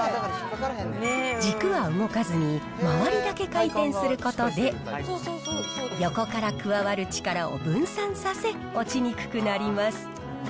軸は動かずに、周りだけ回転することで、横から加わる力を分散させ、落ちにくくなります。